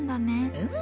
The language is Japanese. うん。